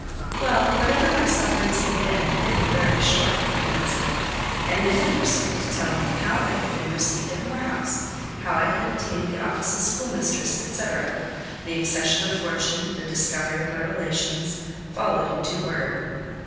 "Well, whatever my sufferings had been, they were very short," I answered: and then I proceeded to tell him how I had been received at Moor House; how I had obtained the office of schoolmistress, &c. The accession of fortune, the discovery of my relations, followed in due order.